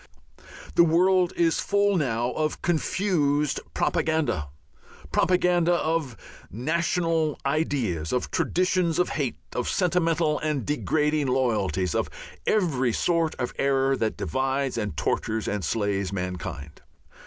The world is full now of confused propaganda, propaganda of national ideas, of traditions of hate, of sentimental and degrading loyalties, of every sort of error that divides and tortures and slays mankind.